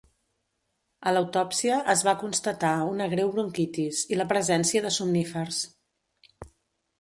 A l'autòpsia es va constatar una greu bronquitis i la presència de somnífers.